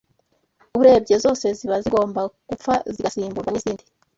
Urebye, zose ziba zigomba gupfa zigasimburwa n’izindi